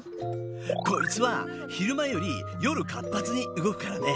こいつは昼間より夜活発に動くからね。